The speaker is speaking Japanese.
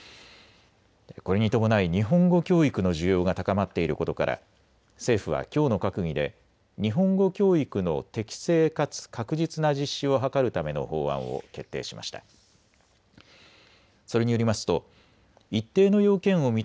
これに伴い日本語教育の需要が高まっていることから政府はきょうの閣議で日本語教育の適正かつ確実な実施を図るための法案を決定しました。